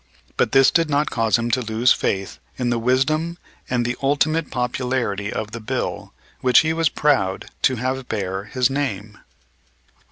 But this did not cause him to lose faith in the wisdom and the ultimate popularity of the bill which he was proud to have bear his name.